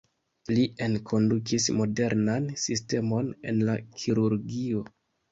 Li enkondukis modernan sistemon en la kirurgio.